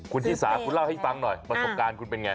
คุณชิสาคุณเล่าให้ฟังหน่อยประสบการณ์คุณเป็นไง